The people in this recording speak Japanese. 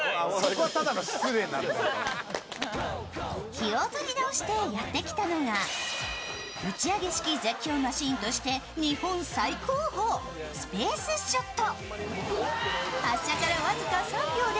気を取り直してやってきたのが打ち上げ式絶叫マシーンとして日本最高峰、スペースショット。